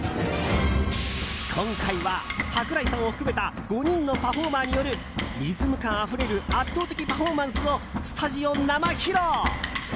今回は櫻井さんを含めた５人のパフォーマーによるリズム感あふれる圧倒的パフォーマンスをスタジオ生披露！